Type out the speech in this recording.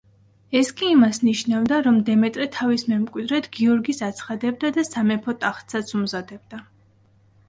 ეს კი იმას ნიშნავდა, რომ დემეტრე თავის მემკვიდრედ გიორგის აცხადებდა და სამეფო ტახტსაც უმზადებდა.